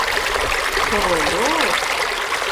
Королёв?!